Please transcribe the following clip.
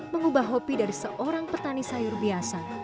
mengubah hobi dari seorang petani sayur biasa